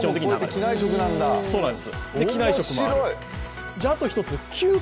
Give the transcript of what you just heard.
で、機内食もある。